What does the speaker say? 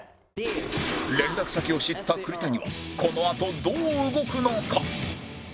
連絡先を知った栗谷はこのあとどう動くのか？